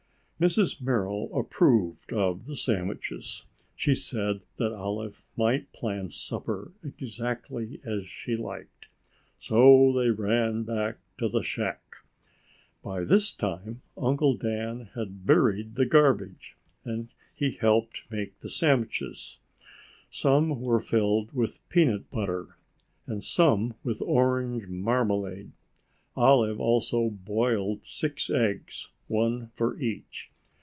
Mrs. Merrill approved of the sandwiches. She said that Olive might plan supper exactly as she liked. So they ran back to the shack. By this time Uncle Dan had buried the garbage and he helped make the sandwiches. Some were filled with peanut butter and some with orange marmalade. Olive also boiled six eggs, one for each.